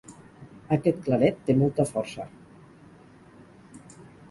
Aquest claret té molta força.